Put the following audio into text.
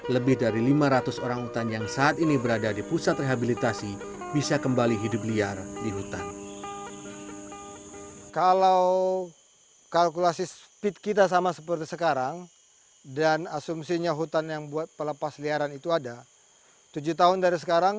lebih dari lima ratus orangutan yang saat ini berada di pusat rehabilitasi bisa kembali hidup liar di hutan